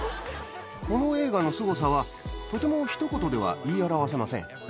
この映画のすごさはとてもひと言では言い表せません。